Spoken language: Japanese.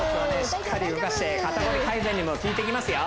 しっかり動かして肩凝り改善にも効いてきますよ